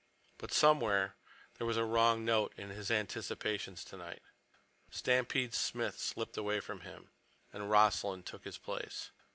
But somewhere there was a wrong note in his anticipations tonight. Stampede Smith slipped away from him, and Rossland took his place.